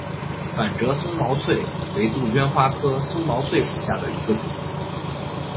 反折松毛翠为杜鹃花科松毛翠属下的一个种。